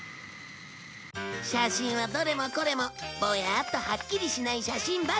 写真はどれもこれもぼやっとはっきりしない写真ばかり。